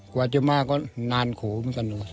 กว่าจะมาก็นานโขมันกันเลย